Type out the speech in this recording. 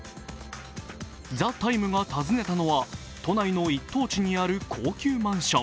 「ＴＨＥＴＩＭＥ，」が訪ねたのは都内の一等地にある高級マンション。